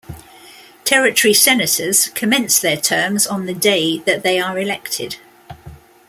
Territory senators commence their terms on the day that they are elected.